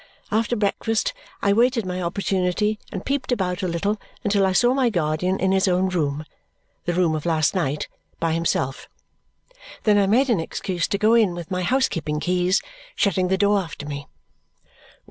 After breakfast I waited my opportunity and peeped about a little until I saw my guardian in his own room the room of last night by himself. Then I made an excuse to go in with my housekeeping keys, shutting the door after me.